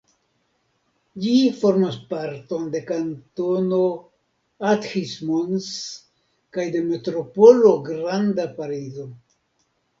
Ĝi formas parton de kantono Athis-Mons kaj de Metropolo Granda Parizo.